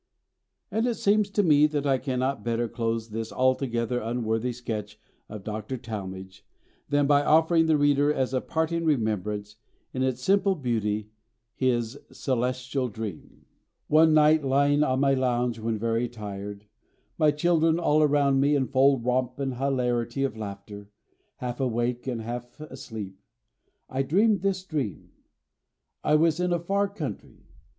'" And it seems to me that I cannot better close this altogether unworthy sketch of Dr. Talmage than by offering the reader as a parting remembrance, in its simple beauty, his "Celestial Dream": "One night, lying on my lounge when very tired, my children all around me in full romp and hilarity and laughter, half awake and half asleep, I dreamed this dream: I was in a far country.